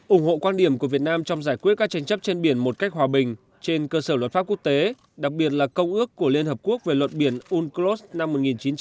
ủng hộ quan điểm của việt nam trong giải quyết các tranh chấp trên biển một cách hòa bình trên cơ sở luật pháp quốc tế đặc biệt là công ước của liên hợp quốc về luật biển unclos năm một nghìn chín trăm tám mươi hai